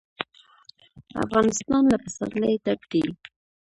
افغانستان له پسرلی ډک دی.